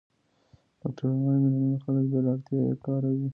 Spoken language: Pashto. ډاکټران وايي، میلیونونه خلک بې له اړتیا یې کاروي.